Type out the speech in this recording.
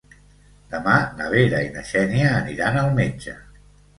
Demà na Vera i na Xènia aniran al metge.